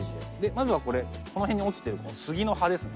まずはこれこの辺に落ちてる杉の葉ですね。